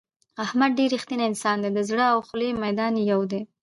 احمد ډېر رښتینی انسان دی د زړه او خولې میدان یې یو دی.